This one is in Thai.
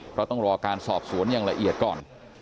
เพราะต้องรอการสอบสวนอย่างละเอียดก่อน